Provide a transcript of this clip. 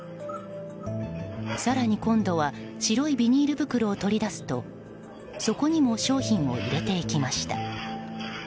更に今度は白いビニール袋を取り出すとそこにも商品を入れていきました。